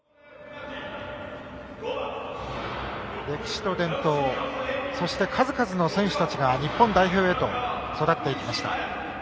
歴史と伝統そして数々の選手たちが日本代表へと育っていきました。